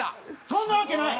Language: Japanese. そんなわけない。